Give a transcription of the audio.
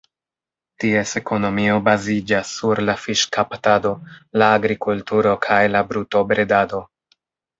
Ties ekonomio baziĝas sur la fiŝkaptado, la agrikulturo kaj la brutobredado.